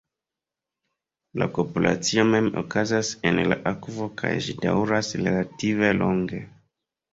La kopulacio mem okazas en la akvo kaj ĝi daŭras relative longe.